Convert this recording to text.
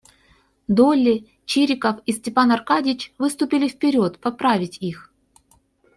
Долли, Чириков и Степан Аркадьич выступили вперед поправить их.